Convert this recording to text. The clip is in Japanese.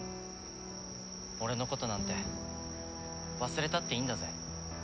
俺のことなんて忘れたっていいんだぜ。